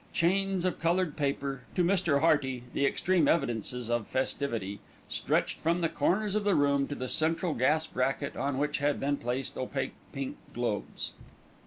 Chains of coloured paper, to Mr. Hearty the extreme evidences of festivity, stretched from the corners of the room to the central gas bracket on which had been placed opaque pink globes.